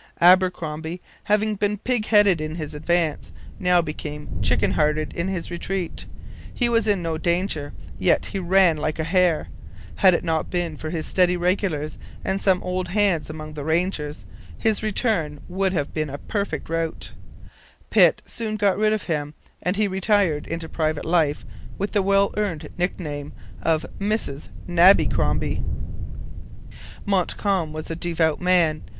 Abercromby, having been pig headed in his advance, now became chicken hearted in his retreat. He was in no danger. Yet he ran like a hare. Had it not been for his steady regulars and some old hands among the rangers his return would have become a perfect rout. Pitt soon got rid of him; and he retired into private life with the well earned nickname of 'Mrs. Nabby Cromby.' Montcalm was a devout man.